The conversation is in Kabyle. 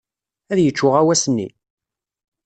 Ad yečč uɣawas-nni?